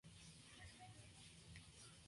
Ganó dos ligas italianas con el Virtus Bolonia.